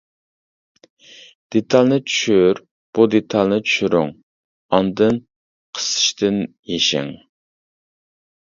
دېتالنى چۈشۈر بۇ دېتالنى چۈشۈرۈڭ، ئاندىن قىسىشتىن يېشىڭ.